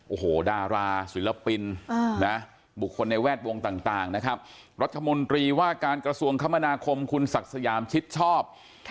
โอ้โหดาราศิลปินบุคคลในแวดวงต่างนะครับ